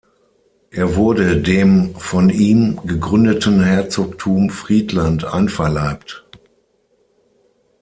Er wurde dem von ihm gegründeten Herzogtum Friedland einverleibt.